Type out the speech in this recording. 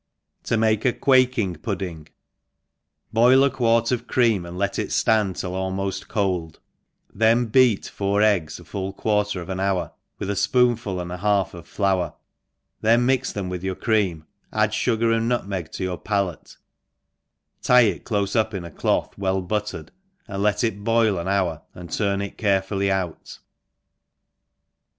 1^0 make aQ^KYii^Q Pudding. BOIL a quart of cream and let it fland till almoft cold, then beat four eggs a full quarter of an hour, with a fpoonful and a half of flour, then mix them with your cream, add fugar and nut meg to your palate, tie it dofe up in a cloth well buttered, ENGLISH HOUSE KEEPER. i8i liuttercdy and let it boil an hour and turn it care fully out.